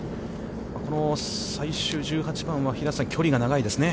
この最終１８番は、平瀬さん、距離が長いですね。